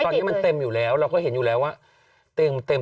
ตอนนี้มันเต็มอยู่แล้วเราก็เห็นอยู่แล้วว่าเต็มเต็ม